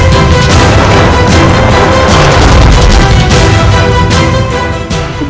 tidak ada yang tahu